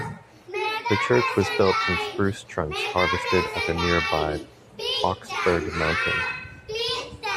The church was built from spruce trunks harvested at the nearby Bocksberg mountain.